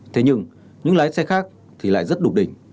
thế nhưng những lái xe khác thì lại rất đục đỉnh